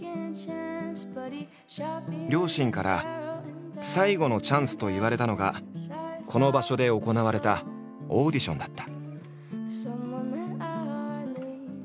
両親から最後のチャンスと言われたのがこの場所で行われたオーディションだった。